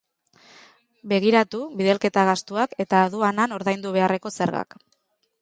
Begiratu bidalketa gastuak eta aduanan ordaindu beharreko zergak.